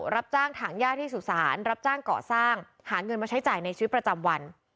รับจ้างถังย่าที่สุสานรับจ้างเกาะสร้างหาเงินมาใช้จ่ายในชีวิตประจำวัน